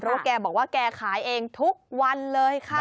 เพราะแกบอกว่าแกขายเองทุกวันเลยค่ะ